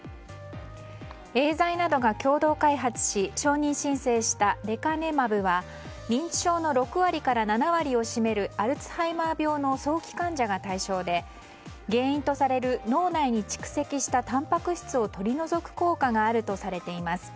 エーザイなどが共同開発し承認申請したレカネマブは認知症の６割から７割を占めるアルツハイマー病の早期患者が対象で原因とされる脳内に蓄積したたんぱく質を取り除く効果があるとされています。